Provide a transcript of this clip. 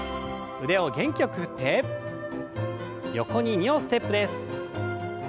腕を元気よく振って横に２歩ステップです。